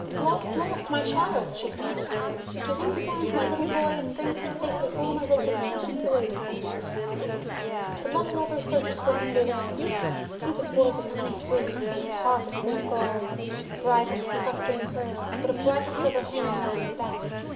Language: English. "Lost! Lost! My child!" she cried. "To him who finds my little boy and brings him safely home, I will give kisses three! "But let whoever searches for him beware! Cupid's voice is honey sweet, while his heart is full of gall ! Bright are his clustering curls, but a brighter quiver hangs upon his back.